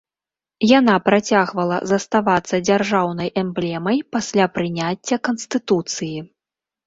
Яна працягвала заставацца дзяржаўнай эмблемай пасля прыняцця канстытуцыі.